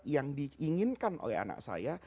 yang diinginkan oleh anak saya